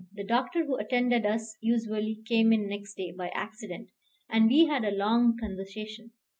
The doctor who attended us usually, came in next day "by accident," and we had a long conversation.